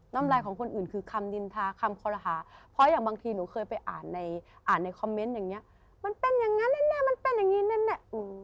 น้ำลายของคนอื่นคือคำนินทาคำคอรหาเพราะอย่างบางทีหนูเคยไปอ่านในอ่านในคอมเมนต์อย่างเงี้ยมันเป็นอย่างนั้นแน่มันเป็นอย่างนี้แน่